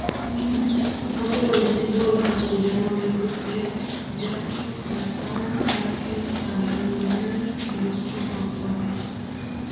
Ha traducido al castellano libros de Jacques Lacan, Jacques-Alain Miller y otros autores.